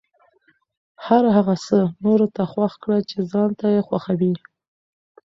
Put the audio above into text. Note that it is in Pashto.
هر هغه څه نورو ته خوښ کړه چې ځان ته یې خوښوې.